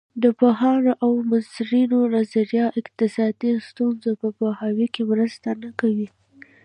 د پوهانو او مبصرینو نظریات اقتصادي ستونزو په پوهاوي کې مرسته نه کوي.